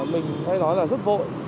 mình hay nói là rất vội